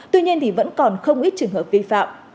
tuy nhiên thì vẫn còn không ít trường hợp vi phạm